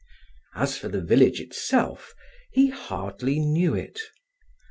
As for the village itself, he hardly knew it.